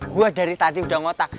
gue dari tadi udah ngotak